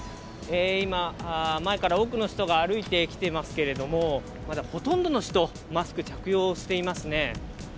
今、前から多くの人が歩いてきていますけれども、まだほとんどの人、マスク着用していますね。